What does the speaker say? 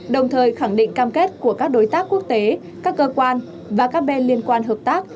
đồng thời khẳng định cam kết của các đối tác quốc tế các cơ quan và các bên liên quan hợp tác